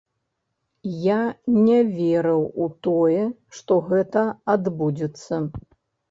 Я не верыў у тое, што гэта адбудзецца.